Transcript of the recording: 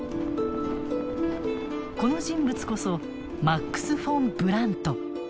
この人物こそマックス・フォン・ブラント。